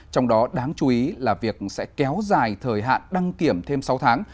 trong đó đáng chú ý là việc sẽ kéo dài thời hạn đăng kiểm thêm sáu tháng